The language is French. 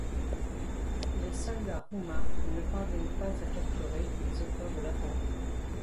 Les soldats roumains ne parviennent pas à capturer les auteurs de l'attentat.